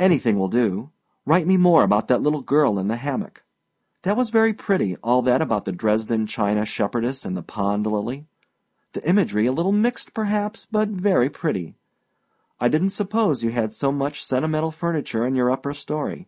Anything will do. Write me more about that little girl in the hammock. That was very pretty, all that about the Dresden china shepherdess and the pond lily; the imagery a little mixed, perhaps, but very pretty. I didnât suppose you had so much sentimental furniture in your upper story.